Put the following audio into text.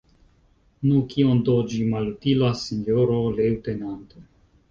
Nu, kion do ĝi malutilas, sinjoro leŭtenanto?